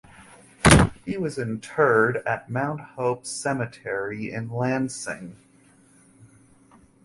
He was interred at Mount Hope Cemetery in Lansing.